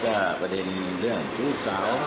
ก็ประเด็นเรื่องชู้สาว